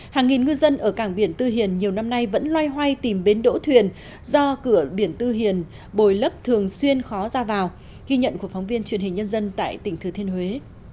hàng nghìn ngư dân ở cảng biển tư hiền nhiều năm nay vẫn loay hoay tìm bến đỗ thuyền do cửa biển tư hiền bồi lấp thường xuyên khó ra vào ghi nhận của phóng viên truyền hình nhân dân tại tỉnh thừa thiên huế